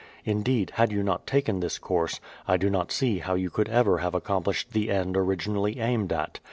Indeed, had you not taken this course, I do not see how you could ever have accomplished the end originally aimed at.